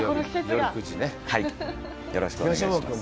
よろしくお願いします。